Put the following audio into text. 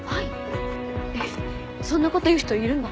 えっそんなこと言う人いるんだ。